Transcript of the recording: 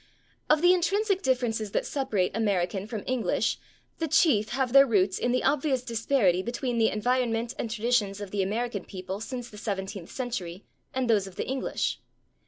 Of the intrinsic differences that separate American from English the chief have their roots in the obvious disparity between the environment and traditions of the American people since the seventeenth century and those of the English.